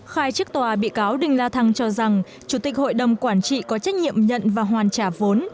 khai trước tòa bị cáo đinh la thăng cho rằng chủ tịch hội đồng quản trị có trách nhiệm nhận và hoàn trả vốn